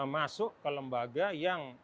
masuk ke lembaga yang